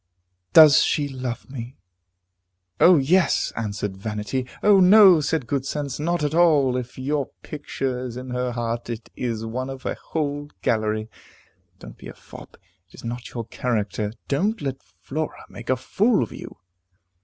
Does she love me? "O yes!" answered vanity. "O no!" said good sense, "not at all. If your picture is in her heart, it is one of a whole gallery. Don't be a fop. It is not your character. Don't let Flora make a fool of you."